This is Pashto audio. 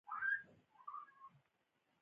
د اوبو د سم مدیریت لپاره نوې طریقې معرفي شي.